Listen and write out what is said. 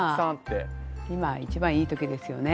今一番いい時ですよね。